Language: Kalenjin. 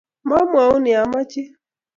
mwomwoun ye amechin.